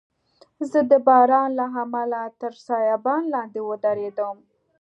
زه د باران له امله تر سایبان لاندي ودریدم.